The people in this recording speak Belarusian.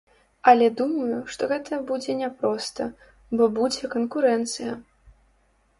Але думаю, што гэта будзе няпроста, бо будзе канкурэнцыя.